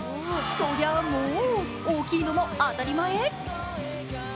そりゃモー、大きいのも当たり前。